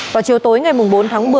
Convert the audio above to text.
trong chiều tối ngày bốn tháng một mươi